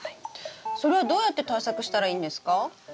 それはどうやって対策したらいいんですか？